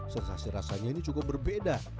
sensasi rasanya ini cukup berbeda